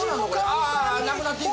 ああっなくなっていく！